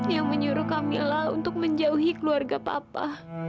yang menyuruh kamilah untuk menjauhi keluarga papa